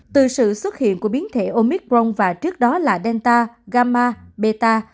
từ sự xuất hiện của biến thể omicron và trước đó là delta gama beta